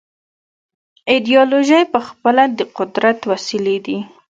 ایدیالوژۍ پخپله د قدرت وسیلې دي.